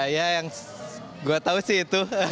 ya yang gue tau sih itu